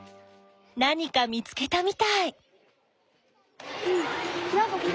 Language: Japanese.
何か見つけたみたい！